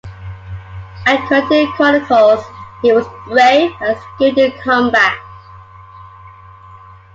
According to chronicles, he was brave and skilled in combat.